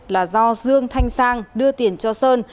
là do dương thanh sang đưa tiền cho sơn